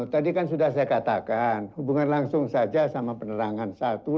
tadi kan sudah saya katakan hubungan langsung saja sama penerangan satu